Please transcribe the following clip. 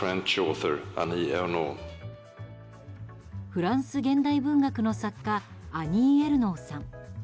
フランス現代文学の作家アニー・エルノーさん。